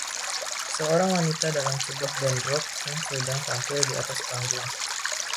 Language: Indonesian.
Seorang wanita dalam sebuah band rock yang sedang tampil di atas panggung.